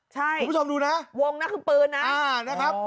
คุณผู้ชมดูนะวงนะคือปืนนะนะครับ